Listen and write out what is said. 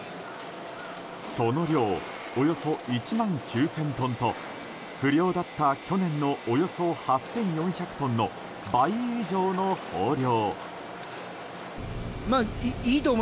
その量およそ１万９０００トンと不漁だった去年のおよそ８４００トンの倍以上の豊漁。